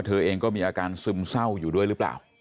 เธอเองก็มีอาการซึมเศร้าอยู่ด้วยหรือเปล่า